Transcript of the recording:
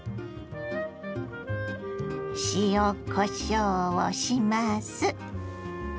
塩こしょうをします。